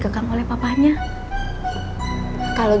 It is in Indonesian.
itu memang kayaknya